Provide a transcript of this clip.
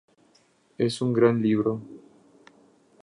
Es un gran libro.